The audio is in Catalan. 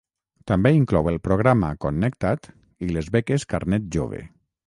També inclou el programa Connecta't i les beques Carnet Jove.